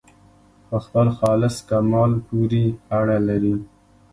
په خپل خاص کمال پوري اړه لري.